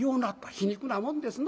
皮肉なもんですな。